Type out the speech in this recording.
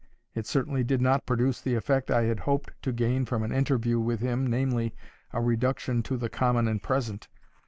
It certainly did not produce the effect I had hoped to gain from an interview with him, namely, A REDUCTION TO THE COMMON AND PRESENT.